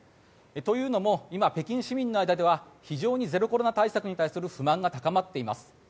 というのも今、北京市民の間では非常にゼロコロナ対策に対する不満が高まっています。